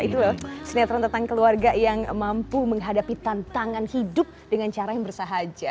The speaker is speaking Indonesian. itu loh sinetron tentang keluarga yang mampu menghadapi tantangan hidup dengan cara yang bersahaja